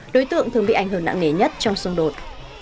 đối tượng thường bị ảnh hưởng nặng nề nhất trong xung đột